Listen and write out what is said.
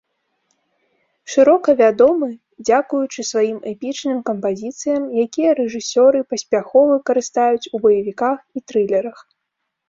Шырока вядомы дзякуючы сваім эпічным кампазіцыям, якія рэжысёры паспяхова карыстаюць у баевіках і трылерах.